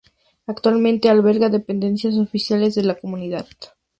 Actualmente alberga dependencias oficiales de la Comunidad.